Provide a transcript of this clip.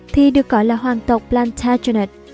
thì được gọi là hoàng tộc plantagenet